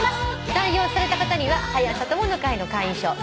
採用された方には「はや朝友の会」の会員証そして。